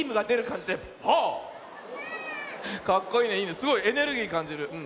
すごいエネルギーかんじる。